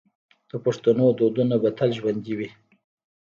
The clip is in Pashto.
د پښتنو دودونه به تل ژوندي وي.